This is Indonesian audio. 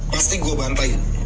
pasti gue bantai